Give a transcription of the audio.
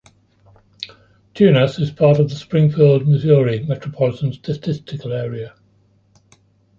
Tunas is part of the Springfield, Missouri Metropolitan Statistical Area.